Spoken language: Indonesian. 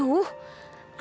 aku mau pergi